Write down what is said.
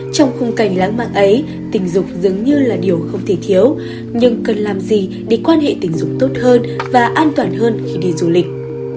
trong khung cảnh lãng mạng ấy tình dục dường như là điều không thể thiếu nhưng cần làm gì để quan hệ tình dục tốt hơn và an toàn hơn khi đi du lịch